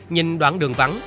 nhìn đoạn đường vắng